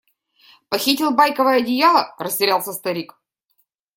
Похитил байковое одеяло? – растерялся старик.